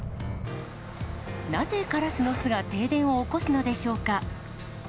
なぜカラスの巣が停電を起こすのでしょうか。